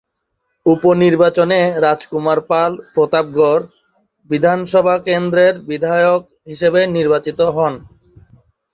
উপনির্বাচনে রাজকুমার পাল প্রতাপগড় বিধানসভা কেন্দ্রের বিধায়ক হিসেবে নির্বাচিত হন।